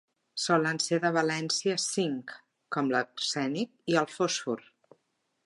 Solen ser de valència cinc, com l'arsènic i el fòsfor.